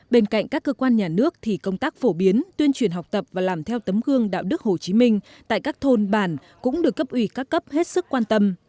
bên cạnh các cơ quan nhà nước thì công tác phổ biến tuyên truyền học tập và làm theo tấm gương đạo đức hồ chí minh tại các thôn bản cũng được cấp ủy các cấp hết sức quan tâm